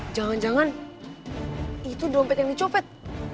jangan jangan itu dompet yang dicopet